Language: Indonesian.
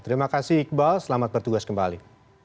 terima kasih iqbal selamat bertugas kembali